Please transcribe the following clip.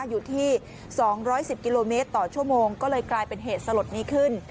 อยู่ที่๒๑๐กิโลเมตรต่อชั่วโมงก็เลยกลายเป็นเหตุสลดนี้ขึ้น